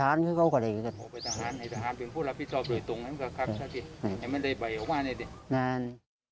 ให้มันได้ไปออกมาเลยสิครับนั่น